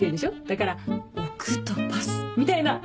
だから「置くとパス」みたいな。